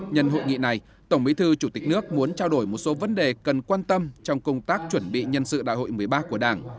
nhân hội nghị này tổng bí thư chủ tịch nước muốn trao đổi một số vấn đề cần quan tâm trong công tác chuẩn bị nhân sự đại hội một mươi ba của đảng